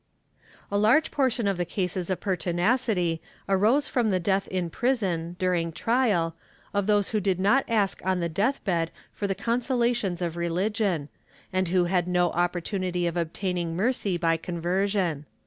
^ A large portion of the cases of pertinacity arose from the death in prison, during trial, of those who did not ask on the death bed for the consolations of religion, and who had no opportunity of obtaining mercy by conversion.